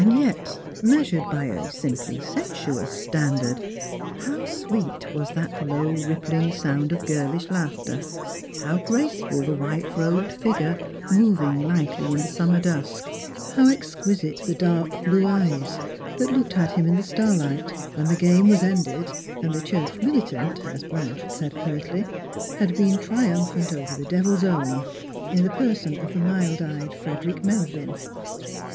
Yet, measured by a simply sensuous standard, how sweet was that low rippling sound of girlish laughter ; how graceful the white rebed figure moving lightly in the summer dusk; how exquisite the dark blue eyes that looked at him in the starlight, when the game was ended, and the Church Militant, as Blanche said pertly, had been triumphant over the Devil's Own, in the person of the mild eyed Frederick Melvin